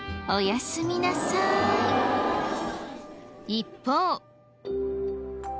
一方。